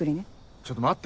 ちょっと待って。